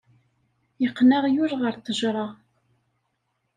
Iqqen aɣyul ɣer ttejra.